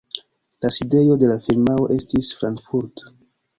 La sidejo de la firmao estis Frankfurt.